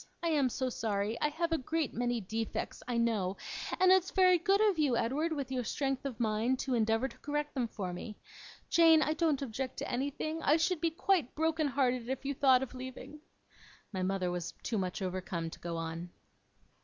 I am so sorry. I have a great many defects, I know, and it's very good of you, Edward, with your strength of mind, to endeavour to correct them for me. Jane, I don't object to anything. I should be quite broken hearted if you thought of leaving ' My mother was too much overcome to go on.